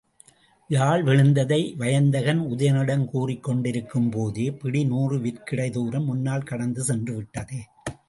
யாழ் விழுந்ததை வயந்தகன் உதயணனிடம் கூறிக் கொண்டிருக்கும்போதே, பிடி நூறு விற்கிடை தூரம் முன்னால் கடந்து சென்றுவிட்டது.